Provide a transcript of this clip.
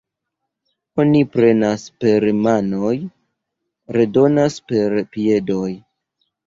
Oni prenas per manoj, redonas per piedoj.